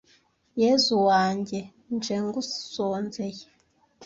Yezu wanjye nje ngusonzeye